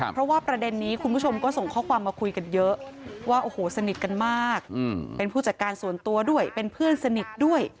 เพราะว่าประเด็นนี้คุณผู้ชมก็ส่งข้อความมาคุยกันเยอะว่าโอ้โหสนิทกันมากเป็นผู้จัดการส่วนตัวด้วยเป็นเพื่อนสนิทด้วย